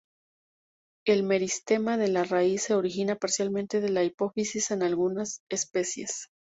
El meristema de la raíz se origina parcialmente de la hipófisis en algunas especies.